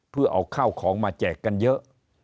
เพื่อเอาข้าวของมาแจกกันเยอะ